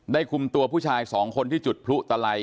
คุมตัวผู้ชายสองคนที่จุดพลุตะไล